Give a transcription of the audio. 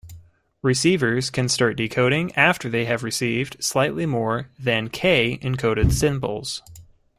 Receivers can start decoding after they have received slightly more than "k" encoded symbols.